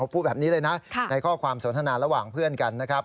พูดแบบนี้เลยนะในข้อความสนทนาระหว่างเพื่อนกันนะครับ